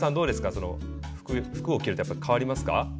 その服を着るとやっぱり変わりますか？